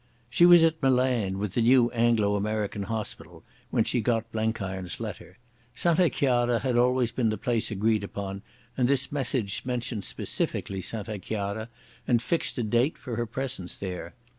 She was at Milan with the new Anglo American hospital when she got Blenkiron's letter. Santa Chiara had always been the place agreed upon, and this message mentioned specifically Santa Chiara, and fixed a date for her presence there.